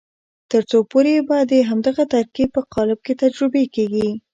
تر څو پورې به د همدغه ترکیب په قالب کې تجربې کېږي.